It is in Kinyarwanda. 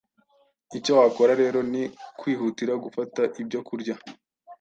Icyo wakora rero ni kwihutira gufata ibyo kurya